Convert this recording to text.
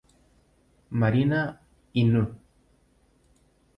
Marina Inoue